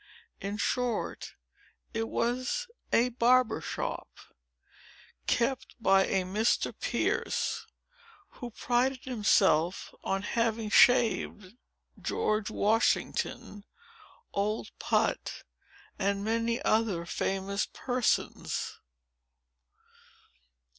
In short, it was a barber's shop, kept by a Mr. Pierce, who prided himself on having shaved General Washington, Old Put, and many other famous persons.